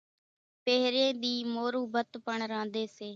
پۿري ۮي مورون ڀت پڻ رانڌي سي